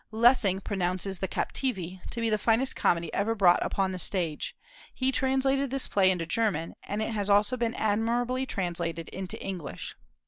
Lessing pronounces the "Captivi" to be the finest comedy ever brought upon the stage; he translated this play into German, and it has also been admirably translated into English.